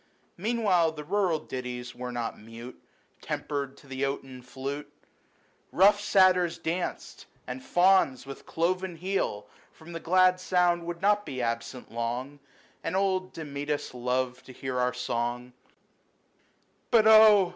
Meanwhile the rural ditties were not mute, Tempered to the oaten flute ; Rough Satyrs danced, and Fauns with cloven heel From the glad sound would not be absent long ; And old Damcetas loved to hear our song^X But, oh